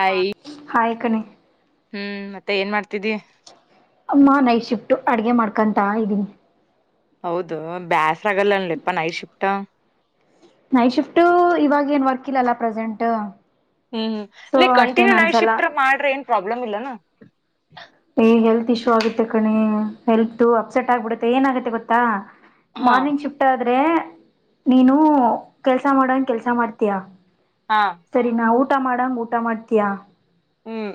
ಆಯ್ ಅಯ್ ಪಕ್ಕನೆ. ಹ್ಮ್ ಮತ್ತೆ ಏನ್ ಮಾಡ್ತಿದ್ದಿಯ. ಅಡ್ಗೆ ಮಾಡ್ಕೊಂತ ಇದ್ದೀನಿ. ಹೌದು ಬ್ಯಾಸ್. ಸಗಲ್ಲನ್ಲೆಪ್ಪ ನೈ ಶಿಫ್ ಟ್ಟು. ನೈಟ್ ಶಿಫ್ಟು ಇವಾಗ ಏನ್ ವರ್ಕ್ ಇಲ್ಲಲ್ಲ ಪ್ರೆಸೆಂಟು. ಹ್ಮ್ ಹ್ಮ್ ಲೈಕ್ ಕಂಟಿನ್ಯೂ ನೈ ಶಿಫ್ಟ ಮಾಡ್ರಿ ಪ್ರಬ್ಲಮ ಇಲ್ಲೇನು. ಹ್ಮ್ ಹೆಲ್ ತ್ತ್ ಇಶ್ಯೂ ಆಗುತ್ತೆ ಕಣೆ ಹೆಲ್ತ್ ಅಪ್ಸೆಟ್ ಆಗ್ಬಿಡುತ್ತೆ ಏನಾಗುತ್ತೆ ಗೊತ್ತಾ. ಹಾ ಮಾರ್ನಿಂಗ್ ಶಿಫ್ಟ್ ಆದ್. ಆದ್ರೆ ನೀನು ಕೆಲ್ಸ ಮಾಡಂಗ ಕೆಲ್ಸ ಮಾಡ್ತೀಯ. ಹಾ ಸರಿ ನಾವು. ಊಟ ಮಾಡಂಗ್ ಊಟ ಮಾಡ್ತಯಾ. ಹ್ಮ್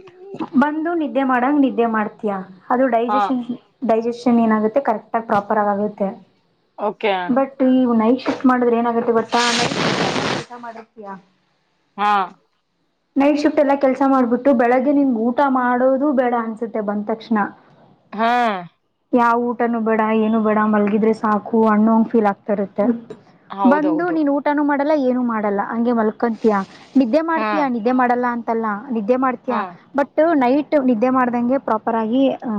ಬಂದು ನಿದ್. ನಿದ್ದೆ ಮೇಡಂಗ್ ನಿದ್ ದ್ದೆ ಮಾಡ್ತೀಯಾ. ಅದು ಹಾ ಡೈಜೆಷನ್ ಡೈಜೆಷನ್ ಏನಾಗುತ್ತೆ ಕರೆಕ್ಟಾಗಿ ಪ್ರಾಪರ್ ಆಗುತ್ತೆ. ಓಕೆ ಬಟ್ ಇವ್ ನೈ ಶಿಫ್ ಮಾಡಿದ್ರೆ ಏನಾಗುತ್ತೆ ಗೊತ್ತ [unintelligible] ಮಾಡಿರ್ತೀಯ ಹಾ ನೈಟ್ ಶಿಫ್ಟ್ ಎಲ್ಲಾ ಕೆಲ್ಸ ಮಾಡ್ಬಿಟ್ಟು ಬೆಳಗ್ಗೆ ನಿಮ್ಗೆ ಊಟ ಮಾಡೋದು ಬೇಡ ಅನ್ಸೆ. ಸುತ್ತೆ ಬಂದ್ ತಕ್ಷಣ. ಹಾ ಯಾವ್ ಊಟನು ಬೇಡ ಏನು ಬೇಡ ಮಲ್ಗಿದ್ರೆ ಸಾಕು ಅನೊ ಹಂಗ್ ಫೀಲ್ ಆಗ್ತಾ ಇರುತ್ತೆ. ಬಂದು ಹೌದೌದು ನೀನ್ ಊಟನೂ ಮಾಡ್. ಮಾಡಲ್ಲ ಏನು ಮಾಡಲ್ಲ ಹಂಗೆ ಮಲ್ಕತಿಯ. ನಿದ್ದೆ ಹಾ ಮಾಡ್ತೀಯಾ ನಿದ್ದೇೆ ಮಾಡಲ್ಲ ಅಂತ್. ತಲ ನಿದ್ದೆ ಹಾ ಮಾಡ್ತಯಾ ಬಟ್ ನೈಟ್ ಒಟ್ಟು ನಿದ್ದೆ ಮಾಡ್ದಂಗೆ. ಪ್ರಾಪರ್ ಆಗಿ ಹಾ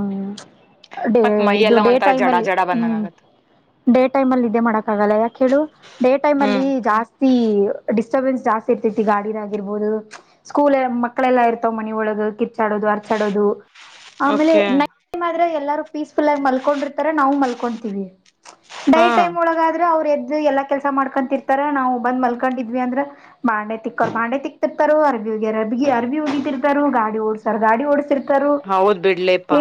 ಡೇ ಮತ್ ಮೈ ಇದು ಎಲ್ಲ ಡೇ ಒಂಥರ ಟೈಮ್ ಜಡ ಅಲ್ಲಿ ಜಡ ಬಂದಂಗ ಹ್ಮ್. ಆಗತ್ ಡೇ ಟೈಮ್ಲ್ಲಿ ನಿದ್ದೆ ಮಾಡಕ್ಕಾಗಲ್ಲ ಯಕ್ ಕೇಳು ಡೇ ಟೈಮ್ ಹ್ಮ್ ಅಲ್ಲಿ ಜಾಸ್ತಿ. ಡಿಸ್ಟರ್ಬೆನ್ಸ್ ಜಾಸ್ತಿ ಇರ್ತತಿ ಗಾಡಿನಗಿರ್ಬೋದು ಸ್ಕೂಲ್ ಮಕ್ಕಳೆಲ್ಲಾ ಇರ್ತವ್ ಮನಿ ಒಳಗೆ ಕಿಚ್ಚಾಡೋದು ಅರ್ಚಾಡೋದು ಆಮೇಲೆ ಓಕೆ [unintelligible] ಎಲ್ಲಾರೂ ಪೀಸ್ಫುಲ್ ಆಗಿ ಮಲ್ಕೊಂಡಿರ್ತಾರೆ ನಾವು ಮಲ್ಕೊತೀವಿ. ಡೈ ಹಾ ಟೈಮ್ ಒಳಗಾದ್ರೆ ಅವ್ರ್ ಎದ್ ಎಲ್ಲ ಕೆಲ್ಸ ಮಾಡ್ಕೊಂತಿರ್ತಾರ ನಾವು ಬಂದ್ ಮಲ್ಕೊಂಡಿದ್ವಿ ಅಂದ್ರ ಬಂಡೆ ತಿಕ್ಕೋರ್ ಬಾಂಡೆ ತಿಕ್ತಿರ್ತಾರ ಅರ್ಬಿಹೋಗಿಯಾರ್ ಅರಬಿ ಹೋಗಿತಿರ್ತರು ಗಾಡಿ ಓಡ್ಸರ್ ಗಾಡಿ ಓಡಸಿರ್ತಾರ್. ಹೌದ್ ಬಿಡ್ಲಪ್ಪಾ.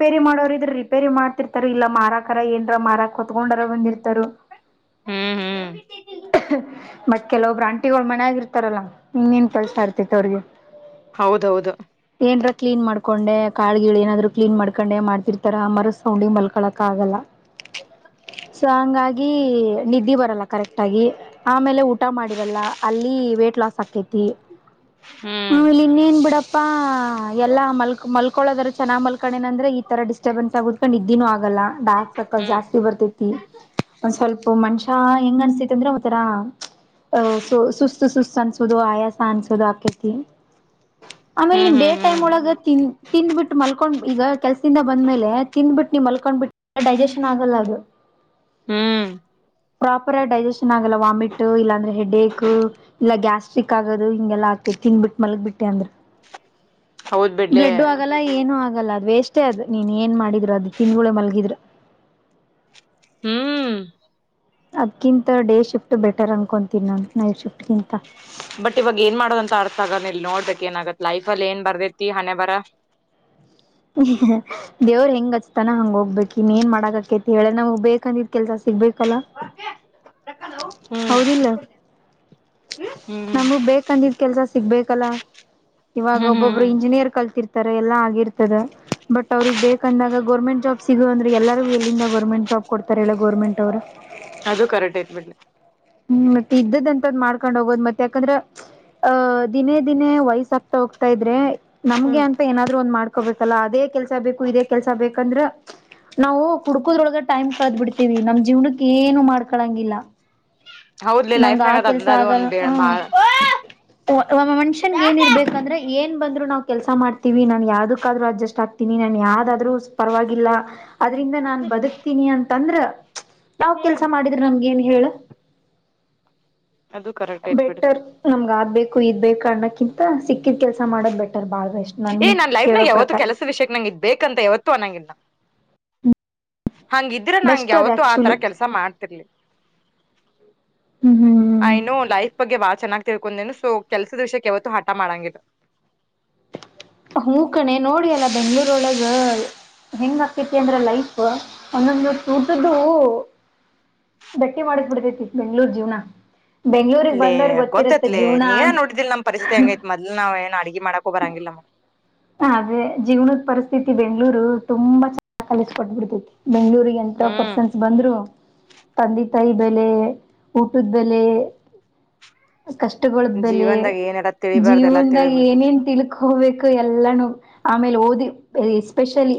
ರಿಪೇರಿ ಮಾಡೋರು ಇದ್ರ ರಿಪೇರಿ ಮಾಡ್ತಿರ್ತಾರ ಇಲ್ಲ ಮಾರಕರ ಏನ್ರ ಮಾರಕ್ ಕತ್ಕೊಂಡರ ಬಂದಿರ್ತಾರ ಹ್ಮ್ ಹ್ಮ್ ಮತ್ ಕೇಳೋಬ್ರು ಆಂಟಿಗುಳು ಮನ್ಯಾಗಿರ್ತಾರಲ್ಲ ಇನ್ ಏನ್ ಕಳ್ಸ ಇರ್ತಿತ್ತು ಅವ್ರಿಗೆ ಹೌದೌದು ಏನ್ರ. ಕ್ಲೀನ್ ಮಾಡ್ಕೊಂಡೆ ಕಲಗಿಲು ಏನಾದ್ರು ಕ್ಲೀನ್ ಮಾಡ್ಕೊಂಡೆ ಮಾಡ್ತಿರ್ತಾರ ಮರಸ್ ಸೌಂಡಿಂಗ್ ಮಲ್ಕಳಕ ಆಗಲ್ಲ ಸೊ ಹಂಗಾಗಿ ನಿದ್ದೆ ಬರಲ್ಲ ಕರೆಕ್ಟ್ ಆಗಿ ಆಮೇಲೆ ಊಟ ಮಾಡಿರಲ್ಲ ಅಲ್ಲಿ ವೇಟ್ ಲಾಸ್ ಆಕೈತಿ. ಹ್ಮ ಹ್ಮ್ ಹುಲಿ ನಿನ್ ಬಿಡಪ್ ಪಾ ಎಲ್ಲಾ ಮಾಲ್ಕ್ ಮಾಲ್ಕ್ ಯಾವಾಗ್ ಆದ್ರೂ ಚನಾಗ್ ಮಲ್ಕೊಂಡಿನಿ ಅಂದ್ರೆ ಇತರ ಡಿಸ್ಟ್ರೆಬಂನ್ಸ್ ನಿದ್ದಿನೂ ಆಗ್ ಆಗಲ್ಲ ಡಾರ್ಕ್ ಸರ್ಕಲ್ ಹ್ಮ್ ಜಾಸ್ತಿ ಬರ್ತತಿ ಒನ್ ಸೋಪ್ ಮನುಷ್ಯ ಹೆಂಗ್ ಅನ್ಸತತಿ ಅಂದ್ರೆ ಒಂತರ ಹ ಸುಸ್ತು ಸುಸ್ತು ಅನ್ಸೋದು ಆಯಾಸ ಅನ್ಸೋದು ಆಕೇತಿ. ಆಮೇಲೆ ಹ್ಮ್ ನಿನ್ ಹ್ಮ್ ಡೇ ಟೈಮ್ ಹ್ಮ್ ಒಳಗತ್ತೀನ್ ಮಲ್ಕೊಂಡ್ ಈಗ ಕೆಲ್ಸಿಂದ ಬಂದ್ಮೇಲೆ ತಿಂದ್ಬಿಟ್ಟು ನೀ ಮಲ್ಕೊಂಡ್ ಬಿಟ್ ಡೈಜೆಷನ್ ಆಗಲ್ಲ ಅದು ಹ್ಮ್ ಪ್ರಾಪರ್ ಡೈಜೆಷನ್ ಆಗಲ್ಲ ವಾಮಿಟ್ ಇಲ್ಲಾ ಅಂದ್ರೆ ಹೆಡ್ಏಕ್ ಇಲ್ಲ ಗ್ಯಾಸ್ಟ್ರಿಕ್ ಆಗೋದು ಹಿಂಗೆಲ್ಲ ಹಾಕತಿ ತಿಂದಬಿಟ್ ಮಲ್ಗಬಿಟ್ಟೆ ಅಂದ್ರ ಹೌದ್ ಬಿಡ್ಲೆ. ಏನು ಆಗಲ್ಲ ಅದ್ ವೇಷ್ಟೇ ಅದು ನೀನ್ ಏನ್ ಮಾಡಿದ್ರು ಅದು ತಿಂದ್ಗುಲೆ ಮಲಗಿದ್ರೆ. ಹ್ಮ್ ಅದ್ಕಿಂತ ಡೇ ಶಿಫ್ಟ್ ಬೆಟರ್ ಅನ್ಕೊತೀನಿ ನಾನು ನೈಟ್ ಶಿಫ್ಟ್ಗಿಂತ. ಬಟ್ ಇವಾಗ ಏನ್ ಮಾಡೋದಂತ ಅರ್ಥ ಆಗದ ಇಲ್ ನೋಡ್ಬೇಕಕ್ ಏನ್ ಆಗತ್ ಲೈಫ್ ಅಲ್ಲಿ ಏನ್ ಬರ್ದೇತಿ ಹಣೆ ಬರ ದೇವ್ರ ಹೆಂಗ್ ಹಚ್ತಾನ ಹಂಗ್ ಹೋಗ್ಬೇಕು ಇನ್ನ ಏನ್ ಮಾಡಕಕೇತಿ ಹೇಳ ನಾವ ಬೇಕಂತಿದ್ ಕೆಲ್ಸ ಸಿಗ್ಬೇಕಲ್ಲ. ಹ್ಮ್ ಹೌದಿಲ್ಲ ಹ್ಮ್ ನಮ್ಮುಗ್ ಬೇಕಂದಿದ್ ಕೆಲ್ಸ ಸಿಗ್ಬೇಕ್ ಕಲ. ಇವಾಗ ಹ್ಮ್ ಒಬ್ಬೊಬ್ರು ಹ್ಮ್ ಇಂಜಿನಿಯರ್ ಕಲ್ತಿರ್ತಿ ಈತರ ಎಲ್ಲ ಆಗಿರ್ತದೆ ಬಟ್ ಅವ್ರಗ್ ಬೇಕಂದಾಗ ಗೋರ್ಮೆಂಟ್ ಜಾಬ್ ಸಿಗು ಅಂದ್ರೆ ಎಲ್ಲರಿಗು ಎಲ್ಲಿಂದ ಗೋರ್ಮೆಂಟ್ ಜಾಬ್ ಕೊಡ್ತಾರೆ ಹೇಳು ಗೋರ್ಮೆಂಟೋರು. ಅದು ಕರೆಕ್ಟ್ ಐತ್ ಬಿಡ್ಲಿ. ಹ್ಮ್ ಮತ್ತೆ ಇದ್ದದ್ ಅಂತದ್ ಮಾಡ್ಕೊಂಡ್ ಹೋಗೋದ್ ಮತ್ತ್ ಯಾಕಂದ್ರ ಹ ದಿನೇ ದಿನೇ ವಯಸ್ಸ ಆಗ್ತಾ ಹೋಗ್ತಾ ಇದ್ರೆ ನಮ್ಗೆ ಹ್ಮ್ ಅಂತ ಏನಾದ್ರು ಒಂದ್ ಮಾಡ್ಕೊಬೇಕಲ್ಲ ಅದೇ ಕೆಲ್ಸ ಬೇಕು ಇದೇ ಕೆಲ್ಸ ಬೇಕಂದ್ರ ನಾವು ಹುಡ್ಕೋದ್ರೊಳಗ ಟೈಮ್ ಕಳದ್ ಬಿಡ್ತೀವಿ ನಮ್ ಜೀವನಕ್ ಏನು ಮಾಡ್ಕೊಳಂಗಿಲ್ಲ. ಹೌದ್ಲಿ ನನ್ಗ್ ಲೈಫ್ನಾಗ ಆ ಅದ ಕೆಲ್ಸ ಅದ ಅದು ಆಗಲ್ಲ ಒಂದ್ ಹ ಬಾಳ ಒ ಒಬ್ಬ ಮನುಷ್ಯನ್ಗೇಗಿರ್ಬೇಕಂದ್ರೆ ಏನ್ ಬಂದ್ರು ನಾವ್ ಕೆಲ್ಸ ಮಾಡ್ತೀವಿ ನಾನ್ ಯಾವ್ದಕ್ಕಾದ್ರು ಅಡ್ಜಸ್ಟ್ ಆಗ್ತೀನಿ ನನ್ ಯಾವ್ದಾದ್ರು ಪರವಾಗಿಲ್ಲ ಅದ್ರಿಂದ ನಾನ್ ಬದುಕ್ತೀನಿ ಅಂತಂದ್ರ ಯಾವ್ ಹ್ಮ್ ಕೆಲಸ ಮಾಡಿದ್ರ್ ನಮಗೇನ್ ಹೇಳು. ಅದು ಕರೆಕ್ಟ್ ಐತ್ ಬಿಡು ಬೆಟರ್ ನಮ್ಗ ಆದ್ಬೇಕು ಇದ್ ಬೇಕು ಅನ್ನಕ್ಕ್ ಕಿಂತ ಸಿಕ್ಕಿದ್ ಕೆಲ್ಸ ಮಾಡೋದ್ ಬೆಟರ್ ಬಾಳ್ರ ಏ ನನ್ ಲೈಫ್ನಾಗ ಯಾವತ್ತು ಕೆಲಸ ವಿಷಯಕ್ಕೆ ನಂಗ್ ಇದ್ ಬೇಕಂತ ಯಾವತ್ತು ಅನಂಗಿಲ್ಲ. ಹಂಗಿದ್ರೆ ನಂಗ್ ಬೆಸ್ಟ್ ಅದ್ ಯಾವತ್ತೂ ಆತರ ಆಕ್ಚುಲಿ ಕೆಲ್ಸ ಮಾಡ್ತಿರ್ಲಿ ಹ್ಮ್ ಐ ಹ್ಮ್ ನೊ ಲೈಫ್ ಬಗ್ಗೆ ಬಾಳ ಚೆನ್ನಾಗ್ ತಿಳ್ಕೊಂಡೇನಿ ಸೊ ಕೆಲ್ಸದ್ ವಿಷ್ಯಕ್ಕೆ ಯಾವತ್ತು ಹಠ ಮಾಡಂಗಿಲ್ಲ.. ಹೂ ಕಣೆ ನೋಡಿ ಅಲ್ಲ ಬೆಂಗ್ಳೂರ್ ಒಳಗ ಹೆಂಗ್ ಆಗ್ತೖತಿ ಅಂದ್ರ ಲೈಫು ಒಂದೊಂದೊತ್ ಊಟದ್ದು ಬಟ್ಟಿ ಮಾಡಕ್ಬಿಡ್ತೈತಿ ಬೆಂಗ್ಳೂರ್ ಜೀವನ ಬೆಂಗ್ಳೂರಿಗ್ ಲ್ಲೇ ಬಂದವ್ರಿಗೆ ಗೊತ್ತಿರತ್ತೆ ಗೊತ್ತೈತ್ಲೆ ಜೀವನ ನೀಯೆ ನೋಡಿದಿಲ್ ನಮ್ ಪರಿಸ್ಥಿತಿ ಹೆಂಗೈತ್ ಮೊದ್ಲ್ ನಾವ್ ಏನ್ ಅಡ್ಗಿ ಮಾಡಕ್ಕೂ ಬರಂಗಿಲ್ಲ ನಮ್ಮ್ ಹ ಅದ್ರೆ ಜೀವನದ್ ಪರಿಸ್ಥಿತಿ ಬೆಂಗ್ಳೂರು ತುಂಬಾ ಚ ಕಲಿಸಕೊಟ್ಬಿಡ್ತೈತಿ. ಬೆಂಗ್ಳೂರಿಗೆ ಎಂತ ಹ್ಮ್ ಪರ್ಸನ್ಸ್ ಬಂದ್ರು ತಂದಿ ತಾಯಿ ಬೆಲೆ ಊಟದ್ ಬೆಲೆ ಕಷ್ಟಗಳ್ದ್ ಬೆಲೆ ಜೀವನ್ದಾಗ ಏನಾರ ತಿಳಿಬಾರ್ದ ಎಲ್ಲಾ ಜೀವನ್ದಾಗ ತಿಳಿದ್ ಬಿಡ್ತೈತಿ ಏನೇನ್ ತಿಳ್ಕೋಬೇಕೋ ಎಲ್ ಇಲ್ಲಾನು ಆಮೇಲೆ ಓದಿ ಎಸ್ಪೆಷಲಿ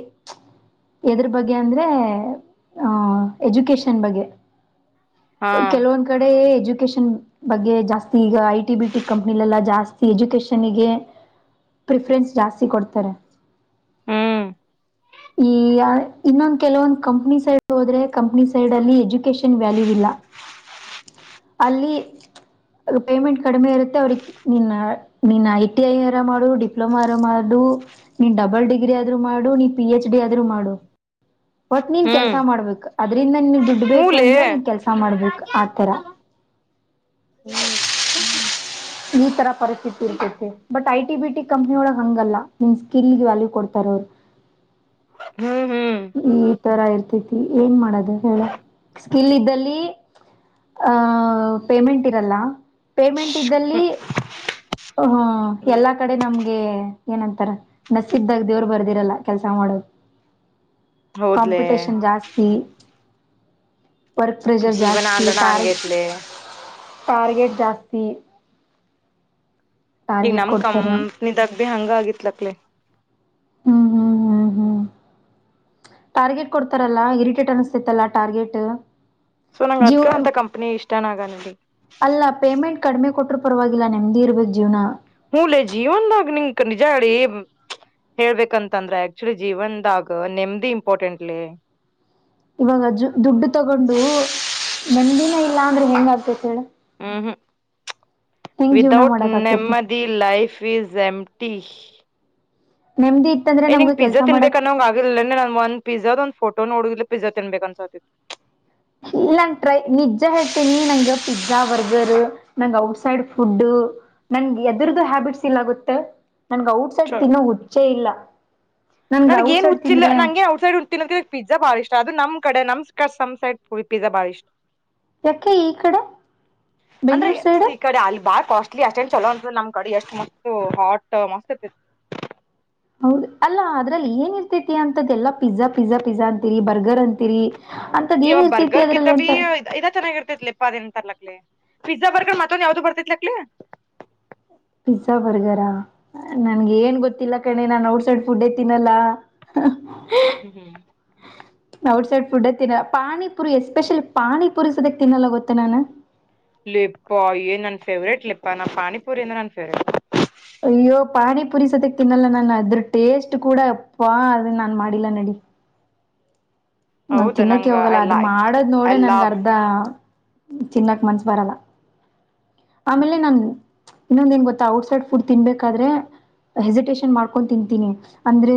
ಎದ್ರ ಬಗ್ಗೆ ಅಂದ್ರೆ ಆ ಎಜುಕಷನ್ ಬಗ್ಗೆ. ಹಾ ಕೆಲವೊಂದ್ ಕಡೆ ಎಜು ಎಜುಕೇಷನ್ ಬಗ್ಗೆ ಜಾಸ್ತಿ ಈಗ ಐ ಟಿ ಬಿ ಟಿ ಕಂಪ್ನಲೆಲ್ಲ ಜಾಸ್ತಿ ಎಜುಕೇಷನ್ನಿಗೆ ಪ್ರಿಫರೆನ್ಸ್ ಜಾಸ್ತಿ ಕೊಡ್ತಾರೆ ಹ್ಮ್ ಈ ಇನ್ನೊಂದು ಕೆಲವೊಂದ್ ಕಂಪ್ನಿ ಸೈಡ್ ಹೋದ್ರೆ ಕಂಪನಿ ಸೈಡಲ್ಲಿ ಎಜುಕೇಶನ್ ವ್ಯಾಲ್ಯೂ ಇಲ್ಲ ಅಲ್ಲಿ ಪೇಮೆಂಟ್ ಕಡಿಮೆ ಇರು ತ್ತೆ ಅವ್ರಿಕ್ ನಿನ್ನಾ ನೀನ್ ಐ ಟಿ ಐ ಶರ ಮಾಡು ಡಿಪ್ಲೋಮಾ ದ ಮಾಡು ನೀನ್ ಡಬಲ್ ಡಿಗ್ರಿ ಆದ್ರೂ ಮಾಡು ನೀ ಪಿ ಎಚ್ ಡಿ ಆದ್ರೂ ಮಾಡು. ಬಟ್ ನೀನ್ ಕೆಲ್ಸ ಹ್ಮ್ ಮಾಡ್ಬೇಕು ಅದ್ರಿಂದ ನಿನ್ಗ್ ದುಡ್ಬೇಕು ಹೂಲೆ ಅಂದ್ರ ನೀನ್ ಕೆಲ್ಸ ಮಾಡ್ಬೇಕು ಆತರ. ಹ್ಮ್ ಈ ತರ ಪರಿಸ್ಥಿತಿ ಇರ್ತೈೆತೆ but I T B T company ಒಳಗ್ ಹಂಗಲ್ಲ ನಿಮ್ ಸ್ಕಿಲ್ಗೆ ವ್ಯಾಲ್ಯೂ ಕೊಡ್ತಾರ ಅವ್ರು. ಹ್ಮ್ ಇತರ ಇರತೈತಿ ಏನ್ ಮಾಡದು ಹೇಳ ಸ್ಕಿಲ್ ಇದಲ್ಲಿ ಆ ಪೇಮೆಂಟ್ ಇರಲ್ಲ ಪೇಮೆಂಟ್ ಇದ್ದಲ್ಲಿ ಹ ಹ್ಮ್ ಎಲ್ಲಾ ಕಡೆ ನಮ್ ಹೇ ಏನಂತಾರ ನಸೀಬ್ದಾಗ ದೇವ್ರು ಬರ್ದಿರಲ್ಲ ಕೆಲ್ಸ ಮಾಡೋದ್ ಹೌದ್ಲೆ ಕಾಂಪಿಟೇಷನ್ ಜಾಸ್ತಿ ವರ್ಕ್ ಪ್ರೆಷರ್ ಜೀವನ ಜಾಸ್ತಿ ಅಂದ್ರನ ಹಂಗೈತ್ಲೆ [unintelligible] ಟಾರ್ಗೆಟ್ ಜಾಸ್ತಿ ಈಗ್ ಟಾರ್ಗೆಟ್ ನಮ್ ಕೊಡ್ತಾರೆ ಕಂಪ್ನಿದಾಗ ಭೀ ಹಂಗ ಆಗಿತ್ಲಕ್ಲೆ. ಹ್ಮ್ ಹ್ಮ್ ಹ್ಮ್ ಹ್ಮ್ ಟಾರ್ಗೆಟ್ ಕೊಡ್ತಾರಲ್ಲಾ ಇರಿಟೇಟ್ ಅನಸ್ತಿತ್ತಲ್ಲಾ ಟಾರ್ಗೆಟ್. ಸೊ ನಂಗ್ ಜೀವ ಅದ್ಕ ಅಂತ ಕಂಪನಿ ಇಷ್ಟನ ಆಗನ್ ಕೊಟ್ಟ್ರ ಪರವಾಗಿಲ್ಲ ನೆಮ್ದಿ ಇರ್ಬೋಕ್ ಜೀವನ. ಹುಂನ್ಲೆ ಜೀವನ್ದಾಗ ನಿನ್ಗ್ ನಿಜ ಹೇಳಿ ಹೇಳ್ಬೇಕಂತಂದ್ರ ಆಕ್ಚುಲಿ ಜೀವನ್ದಾಗ ನೆಮದಿ ಇಂಪಾರ್ಟೆಂಟ್ಲೇ. ಇವಾಗ ದುಡ್ಡು ತಗೊಂಡು ನೇಮ್ದಿನ ಇಲ್ಲಾ ಅಂದ್ರೆ ಹೆಂಗ್ ಆಗ್ತೇ ಹೇಳ ಹ್ಮ್ ಹ್ಮ್ ಹೆಂಗ್ ಜೀವನ ವಿದೌಟ್ ಮಾಡಕ್ ಆಕೇತಿ ನೆಮ್ಮದಿ ಲೈಫ್ ಇಸ್ ಎಮ್ ಟ್ಟಿ. ನೆಮ್ಮದಿ ಇತ್ತಂದ್ರೆ ಹೇ ನಿಂಗ್ ನಮ್ಗ ಪಿಜ್ಜಾ ಕೆಲ್ಸ ತಿನ್ಬೇಕ್ ಮಾಡಕ್ ಅನ್ನೋಂಗ್ ಆಗಿರ್ಲಿಲ್ ಏನ್ ಒನ್ ಪಿಜ್ಜಾದು ಓ ನೋಡುದಿಲ್ಲ ಪಿಜ್ಜಾ ತಿನ್ಬೇಕು ಅನ್ಸತಿತು. ಇಲ್ಲ ನನ್ ಟ್ರೈ ನಿಜ ಹೇಳ್ತೀನಿ ನಂಗೆ ಪಿಜ್ಜಾ ಬರ್ಗರ್ ನಂಗ್ ಔಟ್ಸೈಡ್ ಫುಡ್ ನಂಗ ಎದರದುು ಹ್ಯಾಬಿಟ್ಸ್ ಇಲ್ಲಾ ಗೊತ್ತು. ನನ್ಗ್ ಔಟ್ ಸೈಡ್ ಚ ತಿನ್ನೋ ಹುಚ್ಚೆ ಇಲ್ಲ. ನನ್ಗೆ ನನ್ಗ ಏನ್ ಔಟ್ಸೈಡ್ ಹುಚ್ಚಿಲ್ಲ ತಿಂದ್ರೆ ನಾಂಗೆನ್ ಔಟ್ಸೈಡ್ [unintelligible] ಪಿಜ್ಜ ಬಾಳ ಇಷ್ಟ ಅದು ನಮ್ ಕಡೆ ನಮ್ ಕಾಮ್ ಸೈಡ್ ಪಿಜ್ಜ ಬಾಳ ಇಷ್ ಯಾಕೆ ಇ ಕಡೆ ಬೆಂಗಳೂರು ಸೈಡ. ಇಲಿ ಅಷ್ಟೇನ್ ಚಲೋ ಅನ್ಸೋದಿಲ್ ನಮ್ ಕಡೆ ಎಷ್ಟ್ ಮಸ್ತ್ ಹಾಟ್ ಮಸ್ತ್ ಇರತೈತಿ. ಹೌದು ಅಲ್ಲ ಅದ್ರಲ್ಲಿ ಏನ್ ಇರ್ತೈತಿ ಅಂತದ ಎಲ್ಲಾ ಪಿಜ್ಜಾ ಪಿಜ್ಜಾ ಪಿಜ್ಜಾ ಅಂತೀರಿ ಬರ್ಗರ್ ಅಂತೀರಿ. ಅಂತದ್ ಏನ್ ಇವಾಗ ಇರ್ತೈತಿ ಬರ್ಗರ್ ಅದ್ರಲ್ಲಿ ಕಿತ್ತಾಬೀ ಅಂತ ಇದ ಚೆನ್ನಾಗಿರ್ತೈತ್ ಲೇಪ್ಪ [unintelligible] ಪಿಜ್ಜಾ ಬರ್ಗರ್ ಮತಂದು ಯಾವವುದ ಭರ್ತಲಕ್ಲೇ ಪಿಜ್ಜಾ ಬರ್ಗರಾ ನನ್ಗೆ ಏನ್ ಗೊತ್ತಿಲ್ಲ ಕಣೆ ನಾನ್ ಔಟ್ಸೈಡ್ ಫುಡ್ ಹೇ ತಿನ್ನಲ್ಲ ಹ್ಮ್ ಹ್ಮ್ ಔಟ್ಸೈಡ್ ಫುಡ್ ತಿನ್ನ ಪಾನಿಪುರಿ ಎಸ್ಪೆಷಲಿ ಪಾನಿಪುರಿ ಸದಕ್ ತಿನ್ನಲ್ಲ ಗೊತ್ತ ನಾನು. ಲೇಪ್ಪಾ ಏನ್ ನನ್ ಫೇವ್ರೇಟ್ ಲೇಪ್ಪ ನ ಪಾನಿಪುರಿಂದ್ರೆ ನನ್ ಫೇವ್ರೇಟ್. ಅಯ್ಯೋ ಪಾನಿ ಪುರಿ ಸತ್ತಕ್ ತಿನ್ನಲ್ಲ ನಾನು ಅದ್ರ ಟೇಸ್ಟ್ ಕೂಡ ಅಪ್ಪಾ ಅದ ನಾನ್ ಮಾಡಿಲ್ಲ ನಡಿ. ನಾನ್ ಹೌದ ತಿನ್ನಕ್ಕೆ ನಂಗ ಹೋಗಲ್ಲ ಐ ಅದ್ ಲೈಕ್ ಮಾಡದ್ ಐ ನೋಡೆ ನನ್ಗ ಲವ್ ಅರ್ಧ ತಿನ್ನಕ್ ಮನ್ಸ್ ಬರಲ್ಲ ಆಮೇಲೆ ನಾನ್ ಇನ್ನೊಂದೇನ್ ಗೊತ್ತಾ ಔಟ್ಸೈಡ್ ಫುಡ್ ತಿನ್ಬೇಕಾದ್ರೆ ಹೆಸಿಟೇಶನ್ ಮಾಡ್ಕೊಂಡು ತಿಂತೀನಿ ಅಂದ್ರೆ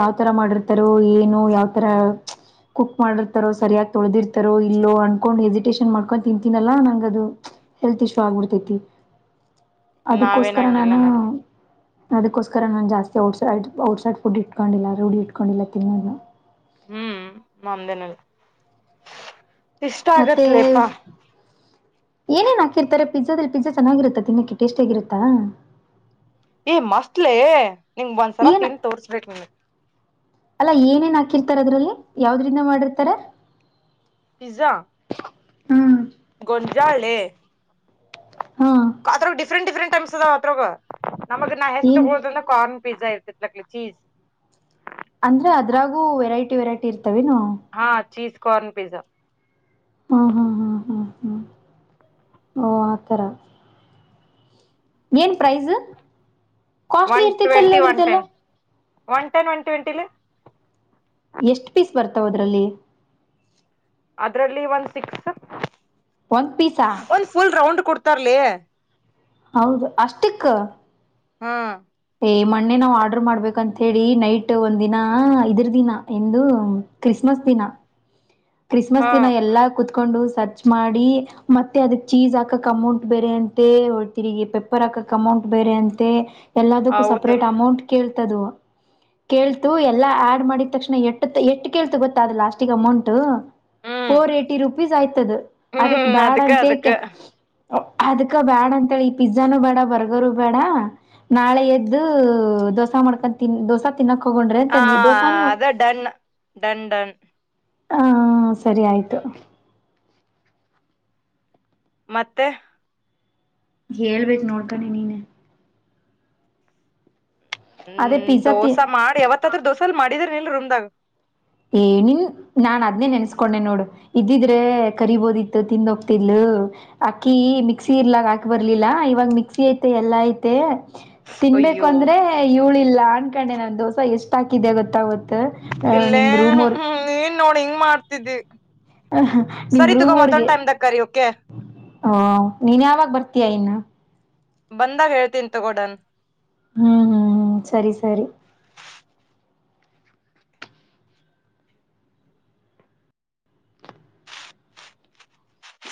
ಯಾವ್ತರ ಮಾಡಿರ್ತಾರೊ ಏನು ಯಾವತರ ಕುಕ್ ಮಾಡಿರ್ತಾರೋ ಸರಿಯಾಗಿ ತೊಳೆದಿರ್ತಾರೋ ಇಲ್ಲೋ ಅನ್ಕೊಂಡ್ ಹೆಸಿಟೇೇಶನ್ ಮಾಡ್ಕೊಂಡು ತಿಂತೀನಲ್ಲಾ ನಂಗ ಅದು ಹೆಲ್ತ್ ಇಶ್ಯೂ ಆಗ್ಬಿಡ್ತೈತಿ. ನಾವೇನ್ ಅದಕ್ಕೋಸ್ಕರ ಹಂಗಿಲ್ಲ ನಾನು ನೋಡ ಅದಕೋಸ್ ಸ್ಕರ ನಾನು ಜಾಸ್ತಿ ಔಟ್ಸೈ ಔಟ್ಸೈಡ್ ಫುಡ್ ಇಟ್ಕೊಂಡಿಲ್ಲ ರೂಢಿ ಇಟ್ಕೊಂಡಿಲ್ಲ ತಿನ್ನದ್ನ. ಹ್ಮ್ ಮಾಮ್ದನಲ್ಲ. ಇಷ್ಟ ಮತ್ತೆ ಆಗತ್ಲೇಪಾ. ಏನೇನ್ ಹಾಕಿರ್ತಾರೆ ಪಿಜಾದಲ್ಲಿ ಪಿಜ್ಜಾ ಚೆನ್ನಾಗಿರುತ್ತಾ ತಿನ್ನಕ್ಕೆೆ ಟೇಸ್ಟಾಗಿರುರತ್ತಾ. ಏ ಮಸ್ತ್ಲೇ ನಿಂಗ್ ಒಂದ್ಸಲ ಏನ್ ತಿನ್ ತೋರ್ಸ್ಬೇಕ್ ನಿನಗ್ ತಾರದ್ರಲ್ಲಿ ಯಾವ್ದ್ರಿಂದ ಮಾಡಿರ್ತಾರ. ಪಿಜ್ಜಾ. ಹಾ ಗೊಂಜಾಳೆ. ಹ್ಮ ಕಾತ್ರು ಡಿಫ್ರೆಂಟ್ ಡಿಫ್ರೆಂಟ್ ಅನ್ಸ್ತದ ಅದ್ರಾಗ. ನಮಗ್ ನಾ ಎಷ್ಟ್ ಏನ್ ತಗೊಳ್ತ [unintelligible] ಪಿಜ್ಜಾ ಇರ್ತ ಲಕ್ಲೆ ಚೀಜ್. ಅಂದ್ರೆ ಅದ್ರಾಗೂ ವೆರೈಟಿ ವೆರೈಟಿ ಇರ್ತ್ ಹಾ ಚೀಸ್ ಕಾರ್ನ್ ಪಿಜ್ಜಾ. ಹ್ಮ ಹ್ಮ್ ಹ್ಮ್ ಹ್ಮ್ ಹ್ಮ್ ಓ ಆತರ. ಏನು ಪ್ರೈಸು ಕಾಸ್ಟ್ಲಿ ಒನ್ ಇರ್ತಿತ್ತಲ್ಲ ಟ್ವೆಂಟಿ ಒನ್ ಅದ್ರ್ದಲ್ಲ. ಟೆನ್ ಒನ್ ಟೆನ್ ಒನ್ ಟ್ವೆಂಟಿಲ್ಲಿ. ಎಷ್ಟು ಪೀಸ್ ಬರ್ತಾವ ಅದ್ರಲ್ಲಿ? ಅದ್ರಲ್ಲಿ ಒಂದು ಸಿಕ್ಸು. ಒಂದು ಪೀಸ? ಕೊಡ್ತಾರ್ಲೇ. ಹೌದು ಅಷ್ಟಿಕ್ಕ? ಹಾ ಮನ್ನೆ ನಾವ್ ಆರ್ಡರ್ ಮಾಡ್ಬೇಕಂತ ಹೇಳಿ ನೈಟ್ ಒಂದ ದಿನ ಇದ್ರ ದಿನ ಎಂದು ಕ್ರಿಸ್ಮಸ್ ದಿನ ಕ್ರಿಸ್ಮಸ್ ಹಾ ದಿನ ಎಲ್ಲಾ ಕುತ್ ಕೊಂಡು ಸರ್ಚ್ ಮಾಡಿ ಮತ್ತೆ ಅದಕ್ ಚೀಸ್ ಹಾಕಕ್ ಅಮೌಂಟ್ ಬೇರೆ ಅಂತೆ ಹೊ ತಿರ್ಗಿ ಪೆಪ್ಪರ್ ಹಾಕಕ್ ಅಮೌಂಟ್ ಬೇರೆ ಅಂತೆ. ಎಲ್ಲದಕ್ಕೂ ಹೌದು ಸಪ್ರೇಟ್ ಅಮೌಂಟ್ ಕೇಳ್ ತದು ಕೇಳ್ತು ಎಲ್ಲಾ ಆಡ್ ಮಾಡಿದ ತಕ್ಷಣ ಎಟ್ತ್ ಎಟ್ ಕೇಳ್ತು ಗೊತ್ತಾ ಅ ಲಾಸ್ಟಿಗೆ amount to hmm four eighty rupees ಆಯ್ತದು. ಅದಕ್ ಹ್ಮ್ ಬ್ಯಾಡ ಅದಕ್ಕ ಅಂತೇಕೆ ಅದಕ್ಕ ಅದ್ಕ ಬೇಡ ಅಂತೇಳಿ ಪಿಜ್ಜಾನು ಬೇಡ ಬರ್ಗರು ಬೇಡ ನಾಳೆ ಎದ್ದು ದೋಸಾ ಮಾಡ್ಕ ತಿನ್ನಿ ದೋಸಾ ತಿನ್ನಕ್ ಹೋಗೊಂಡ್ರೆ ಹಾ ಅಂತಂದ್ವಿ ದೋಸಾನು ಅದೆ ಡನ್ ಡನ್ ಡನ್. ಹ ಸರಿ ಆಯ್ತು. ಹ್ಮ್ ಮತ್ತೆ ಹೇಳ್ಬೇಕು ನೋಡ್ಕಾನಿ ನೀನೇ. ಅದೇ ಹ್ಮ್ ಪಿಜ್ಜಾ ತಿ ದೋಸಾ ಮಾಡಿ ಯಾವತ್ತಾದ್ರ ದೋಸೆಲ್ ಮಾಡಿ [unintelligible] ನಿಲ್ರಿ ರೂಮ್ದಾಗ. ಏನಿನ್ ನಾನ್ ಅದ್ನೇ ನೆನ್ಸ್ಕೊಂಡೆ ನೋಡು ಇದ್ದಿದ್ರೆ ಕರಿಬೋದಿತ್ತು ತಿಂದೋಗ್ತಿದ್ಲು ಅಕಿ ಮಿಕ್ಸಿ ಇರ್ಲಾಗ ಹಾಕ ಬರ್ಲಿಲ್ಲ ಇವಾಗ ಮಿಕ್ಸಿ ಐತೆ ಎಲ್ಲಾ ಐತೆ ತಿನ್ಬೇಕು ಅಯ್ಯೋ ಅಂದ್ರೆ ಇವ್ಳಿಲ್ಲ. ಅನ್ಕೊಂಡೆ ನಾನ್ ದೋಸ ಎಷ್ಟಾಕಿದ್ದೆ ಗೊತ್ತಾ ಅವತ್ತ್ ತ್ತು ಹ ಹ್ಮ್ ಏನ್ ನೋಡಿಂಗ್ ಮಾಡ್ತಿದ್ದ್ ಹ ಹ ಹ ನಿಮ್ರೂಮೋರ್ಗೆ ಕರಿ ಓಕೆ ಹ ನೀನ್ ಯಾವಾಗ ಬರ್ತೀಯಾ ಇನ್ನ? ಬಂದಾಗ ಹೇಳ್ತೀನ್ ತಗೋ ಡನ್. ಹ್ಮ್ ಹ್ಮ್ ಹ್ಮ್ ಸರಿ ಸರಿ.